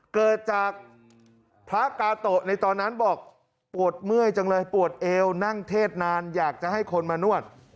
เกิดจากพระกาโตะในตอนนั้นบอกปวดเมื่อยจังเลยปวดเอวนั่งเทศนานอยากจะให้คนมานวด